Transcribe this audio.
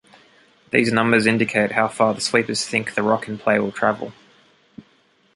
These numbers indicate how far the sweepers think the rock in play will travel.